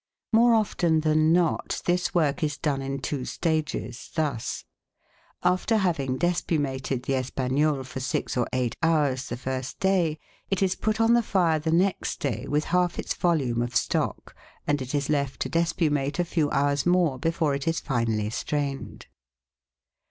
More often than not this work is done in two stages, thus : after having despumated the Espagnole for six or eight hours the first day, it is put on the fire the next day with half its volume of stock, and it is left to despumate a few hours more before it is finally strained.